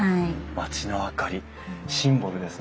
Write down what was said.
町の明かりシンボルですね。